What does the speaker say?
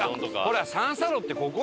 ほら！